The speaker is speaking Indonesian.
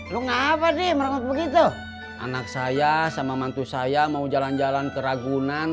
lu ngapain begitu anak saya sama mantu saya mau jalan jalan ke ragunan